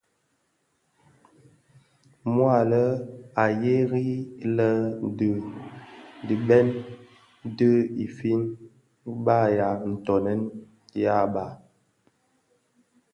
Mua a lè a gheri lè dhib a bhen i zi infin i bagha ntoňèn dhyaba.